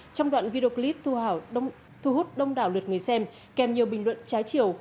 trong đoạn video clip thu hút đông đảo lượt người xem kèm nhiều bình luận trái chiều